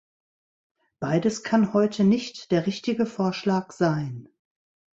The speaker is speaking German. Beides kann heute nicht der richtige Vorschlag sein.